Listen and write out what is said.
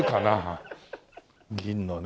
銀のね。